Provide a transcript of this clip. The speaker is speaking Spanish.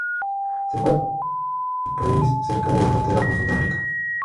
Se encuentra ubicada al sur del país, cerca de la frontera con Sudáfrica.